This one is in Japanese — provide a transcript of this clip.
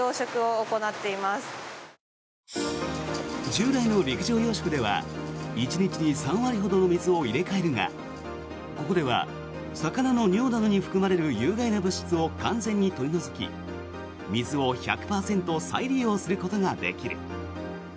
従来の陸上養殖では１日に３割ほどの水を入れ替えるがここでは魚の尿などに含まれる有害な物質を完全に取り除き、水を１００％再利用することができる。